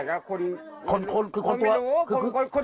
พูดเหมือนเดิมคือพูดอะไร